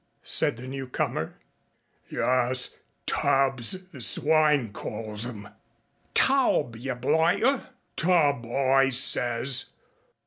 said the newcomer. "Yus. Tubs the swine calls 'em " "Tawb, yer blighter." "Tub, I says.